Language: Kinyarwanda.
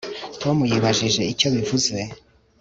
tom yibajije icyo bivuze